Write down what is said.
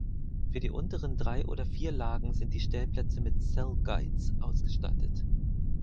Für die unteren drei oder vier Lagen sind die Stellplätze mit Cellguides ausgestattet.